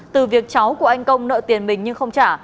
từ việc cháu của anh công nợ tiền mình nhưng không trả